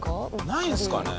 ないんですかね？